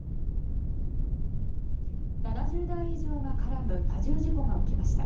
７０台以上が絡む多重事故が起きました。